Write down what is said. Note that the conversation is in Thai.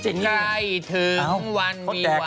ใจถึงวันวีหวะ